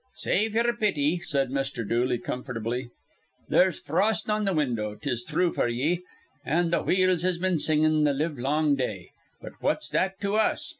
"Save ye'er pity," said Mr. Dooley, comfortably. "It ain't cowld in here. There's frost on th' window, 'tis thrue for ye; an' th' wheels has been singin' th' livelong day. But what's that to us?